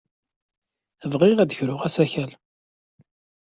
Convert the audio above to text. Bɣiɣ ad d-kruɣ asakal.